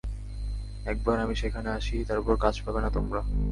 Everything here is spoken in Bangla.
একবার আমি সেখানে আসি, তারপর কাজ পাবে না তোমরা।